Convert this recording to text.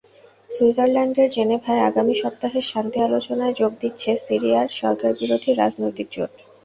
সুইজারল্যান্ডের জেনেভায় আগামী সপ্তাহের শান্তি আলোচনায় যোগ দিচ্ছে সিরিয়ার সরকারবিরোধী রাজনৈতিক জোট।